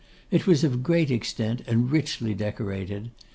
It was of great extent and richly decorated.